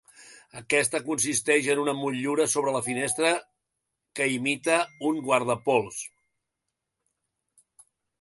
Aquesta consisteix en una motllura sobre la finestra que imita un guardapols.